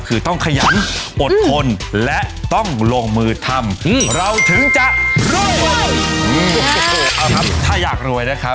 คือต้องขยันอดทนและต้องลงมือทำเราถึงจะรวยโอ้โหเอาครับถ้าอยากรวยนะครับ